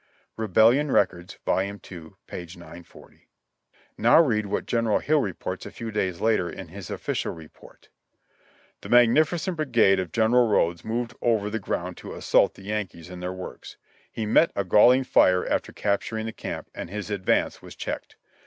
(Rebellion Records, Vol. 11, p. 940.) Now read what General Hill reports a few days later in his official report : "The magnificent brigade of General Rodes moved over the ground to assault the Yankees in their works. He met a galling fire after capturing the camp, and his advance was checked.